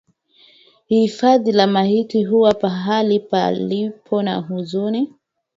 Hifadhi la maiti huwa mahali palipo na huzuni.